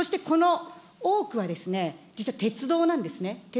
そしてこの多くは、実は鉄道なんですね。